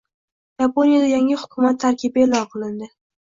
Yaponiyada yangi hukumat tarkibi e’lon qilindi